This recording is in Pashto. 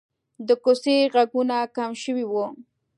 د کوڅې غږونه کم شوي وو.